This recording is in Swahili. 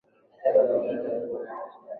kukataa kuwa piranha inajengwa kuua vifaa kama